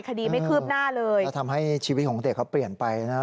คดีไม่คืบหน้าเลยแล้วทำให้ชีวิตของเด็กเขาเปลี่ยนไปนะ